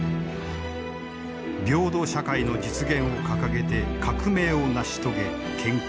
平等社会の実現を掲げて革命を成し遂げ建国。